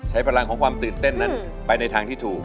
พลังของความตื่นเต้นนั้นไปในทางที่ถูก